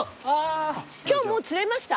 今日もう釣れました？